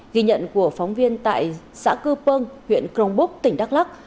ghi nhận của phóng viên tại xã cư pơng huyện crong búc tỉnh đắk lắc